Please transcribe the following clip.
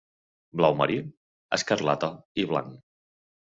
Blau marí, escarlata i blanc.